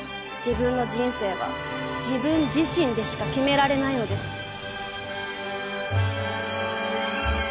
自分の人生は自分自身でしか決められないのです。